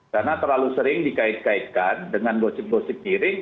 karena terlalu sering dikait kaitkan dengan gosip gosip miring